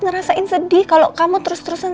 ngerasain sedih kalau kamu terus terusan